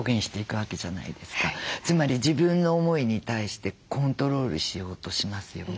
つまり自分の思いに対してコントロールしようとしますよね。